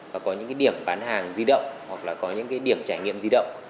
và có những điểm bán hàng di động hoặc là có những điểm trải nghiệm di động